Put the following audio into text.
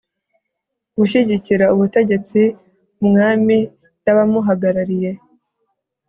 gushyigikira ubutegetsi umwami n abamuhagarariye